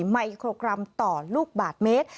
ไมโครกรัมต่อลูกบาทเมตร